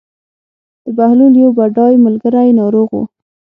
د بهلول یو بډای ملګری ناروغ و.